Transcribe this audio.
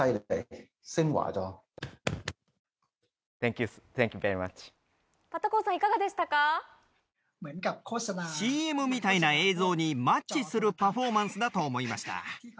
パッタコーンさん、いかがでＣＭみたいな映像にマッチするパフォーマンスだと思いました。